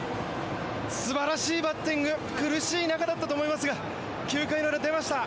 素晴らしいバッティング苦しい中だったと思いますが９回の裏、出ました。